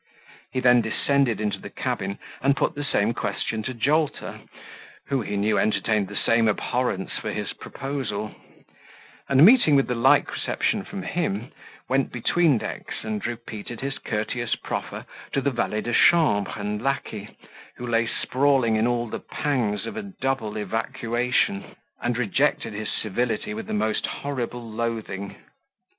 He then descended into the cabin, and put the same question to Mr. Jolter, who, he knew, entertained the same abhorrence for his proposal; and meeting with the like reception from him, went between decks, and repeated his courteous proffer to the valet de chambre and lacquey, who lay sprawling in all the pangs of a double evacuation, and rejected his civility with the most horrible loathing.